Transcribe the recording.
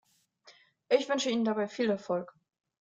Ich wünsche Ihnen dabei viel Erfolg.